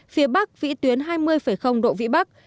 phía bắc vĩ tuyến hai mươi độ vĩ bắc